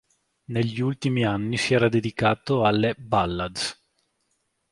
Negli ultimi anni si era dedicato alle "ballads".